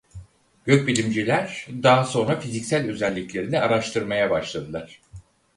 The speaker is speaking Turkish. Gök bilimciler daha sonra fiziksel özelliklerini araştırmaya başladılar.